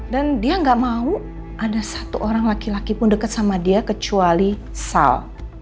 dan dia nggak mau ada satu orang laki laki pun deket sama dia kecuali sal